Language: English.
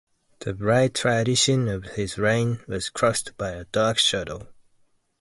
The bright tradition of his reign was crossed by a dark shadow.